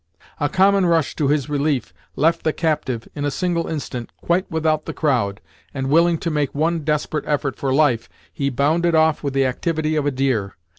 A common rush to his relief left the captive, in a single instant, quite without the crowd, and, willing to make one desperate effort for life, he bounded off with the activity of a deer.